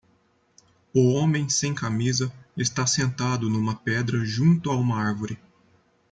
O homem sem camisa está sentado numa pedra junto a uma árvore.